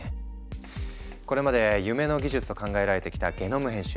これまで夢の技術と考えられてきたゲノム編集。